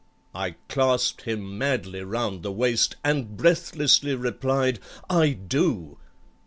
I clasped him madly round the waist, And breathlessly replied, "I do!"